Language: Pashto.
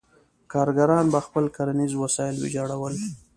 کارګران به خپل کرنیز وسایل ویجاړول.